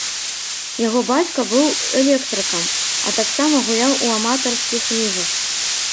Яго бацька быў электрыкам, а таксама гуляў у аматарскіх лігах.